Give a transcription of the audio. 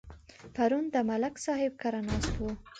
پرون د ملک صاحب کره ناست وو.